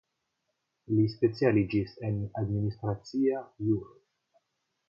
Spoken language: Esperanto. Li specialiĝis en Administracia Juro.